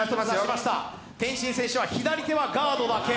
天心選手は左手はガードだけ。